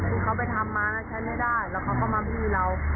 ที่เขาไปทำมานะใช้ไม่ได้แล้วเขาก็มาบี้เรา